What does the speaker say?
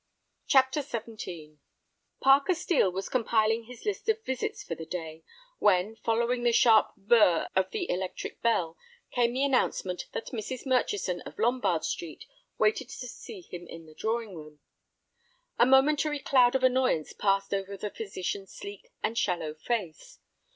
CHAPTER XVII Parker Steel was compiling his list of visits for the day, when, following the sharp "burr" of the electric bell, came the announcement that Mrs. Murchison, of Lombard Street, waited to see him in the drawing room. A momentary cloud of annoyance passed over the physician's sleek and shallow face.